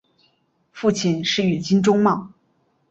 父亲是宇津忠茂。